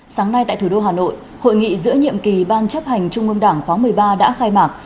sáng nay tại thủ đô hà nội hội nghị giữa nhiệm kỳ ban chấp hành trung ương đảng khóa một mươi ba đã khai mạc